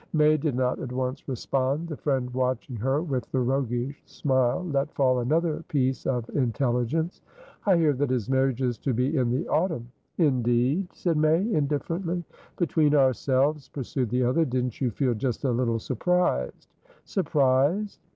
May did not at once respond. The friend, watching her with the roguish smile, let fall another piece of intelligence. "I hear that his marriage is to be in the autumn." "Indeed?" said May, indifferently. "Between ourselves," pursued the other, "didn't you feel just a little surprised?" "Surprised?"